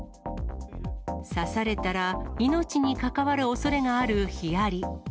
刺されたら命に関わるおそれがあるヒアリ。